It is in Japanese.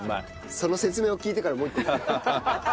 その説明を聞いてからもう一個。